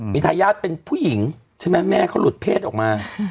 มีทายาทเป็นผู้หญิงใช่ไหมแม่เขาหลุดเพศออกมา